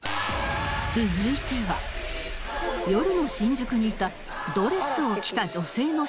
続いては夜の新宿にいたドレスを着た女性の衝動